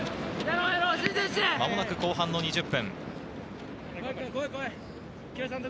間もなく後半の２０分。